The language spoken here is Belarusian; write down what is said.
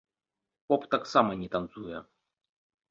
Поп таксама не танцуе.